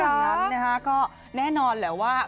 ซึ่งหลังนั้นนะครับก็แน่นอนแหละว่า